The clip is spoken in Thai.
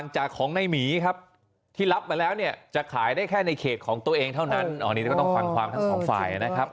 จะขายได้แค่ในเขตของตัวเองเท่านั้นอันนี้ก็ต้องความความทั้งสองฝ่ายนะครับ